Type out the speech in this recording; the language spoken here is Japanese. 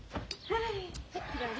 はい。